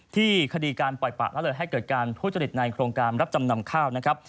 คดีการปล่อยปะละเลยให้เกิดการทุจริตในโครงการรับจำนำข้าวนะครับ